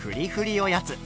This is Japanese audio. おやつ。